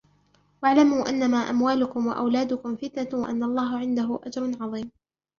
واعلموا أنما أموالكم وأولادكم فتنة وأن الله عنده أجر عظيم